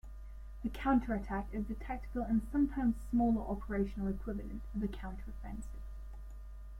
A counterattack is the tactical and sometimes smaller operational equivalent of the counter-offensive.